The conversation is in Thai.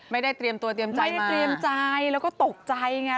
เตรียมตัวเตรียมใจไม่ได้เตรียมใจแล้วก็ตกใจไง